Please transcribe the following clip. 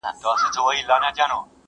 له ښكارونو به يې اخيستل خوندونه!!